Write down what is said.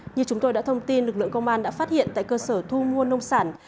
như chúng tôi đã thông tin lực lượng công an đã phát hiện tại cơ sở thu mua nông sản